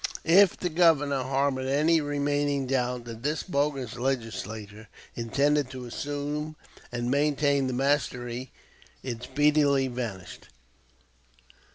If the Governor harbored any remaining doubt that this bogus Legislature intended to assume and maintain the mastery, it speedily vanished.